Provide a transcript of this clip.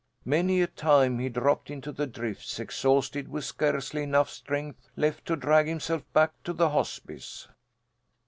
Many a time he dropped into the drifts exhausted, with scarcely enough strength left to drag himself back to the hospice.